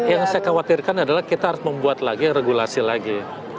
yang saya khawatirkan adalah kita harus membuat lagi regulasi lagi